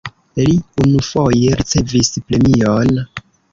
Li unufoje ricevis premion.